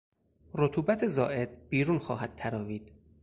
رطوبت زائد بیرون خواهد تراوید.